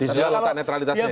di sisi letak netralitasnya ya